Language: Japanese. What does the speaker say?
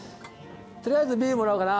とりあえずビールもらおうかな。